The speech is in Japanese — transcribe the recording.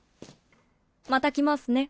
また来ますね。